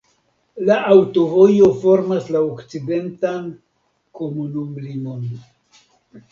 La aŭtovojo formas la okcidentan komunumlimon.